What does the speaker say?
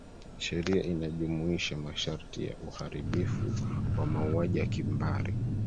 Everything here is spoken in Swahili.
sheria inajumuisha masharti ya uharibifu wa mauaji ya kimbari